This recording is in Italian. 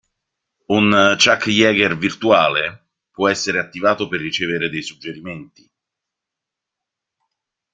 Un Chuck Yeager virtuale può essere attivato per ricevere dei suggerimenti.